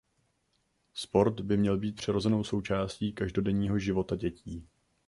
Sport by měl být přirozenou součástí každodenního života dětí.